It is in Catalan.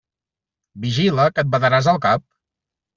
Vigila, que et badaràs el cap!